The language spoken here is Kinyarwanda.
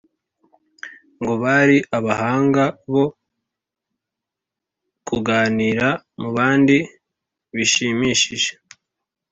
ngo bari abahanga bo kuganira mu bandi bishimishije,